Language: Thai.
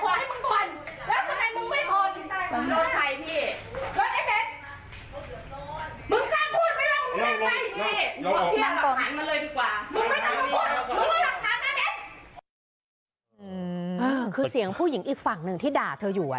คือเสียงผู้หญิงอีกฝั่งหนึ่งที่ด่าเธออยู่